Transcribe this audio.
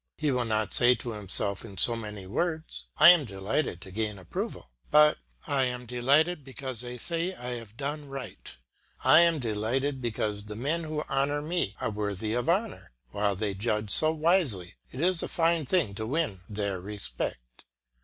He will not say to himself in so many words, "I am delighted to gain approval," but "I am delighted because they say I have done right; I am delighted because the men who honour me are worthy of honour; while they judge so wisely, it is a fine thing to win their respect."